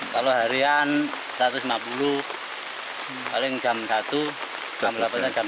kalau harian satu ratus lima puluh paling jam satu jam